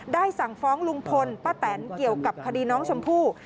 สั่งฟ้องลุงพลป้าแตนเกี่ยวกับคดีน้องชมพู่